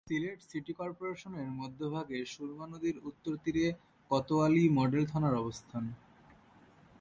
Sylhet city কর্পোরেশনের মধ্যভাগে সুরমা নদীর উত্তর তীরে কোতোয়ালী মডেল থানার অবস্থান।